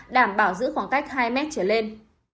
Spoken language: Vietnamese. đảm bảo giữ khoảng cách hai m trở lên